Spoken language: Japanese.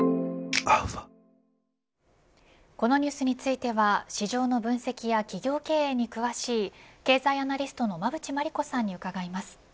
このニュースについては市場の分析や企業経営に詳しい経済アナリストの馬渕磨理子さんに伺います。